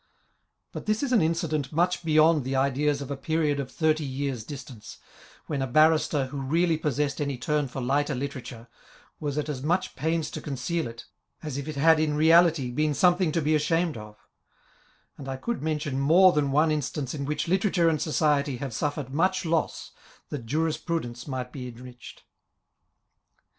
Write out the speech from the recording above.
* But this is an incident much beyond the ideas of a period of thirty years' distance, when a barrister who really possessed any turn for lighter literature, was at as much pains to conceal it, as if it had in reality been something to be ashamed of; and I could mention more than one instance in which literature and society have suffered much loss, that jurisprudence might be enriched.